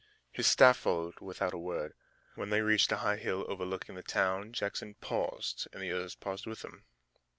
His staff followed without a word. When they reached a high hill overlooking the town Jackson paused and the others paused with him.